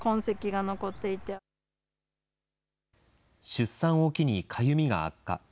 出産を機にかゆみが悪化。